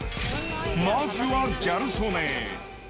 まずはギャル曽根。